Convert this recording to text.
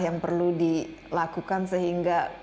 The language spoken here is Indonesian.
yang perlu dilakukan